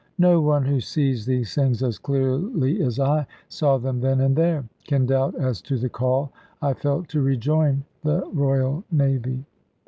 No one who sees these things as clearly as I saw them then and there, can doubt as to the call I felt to rejoin the Royal Navy.